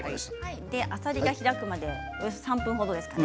あさりが開くまでおよそ３分程ですね。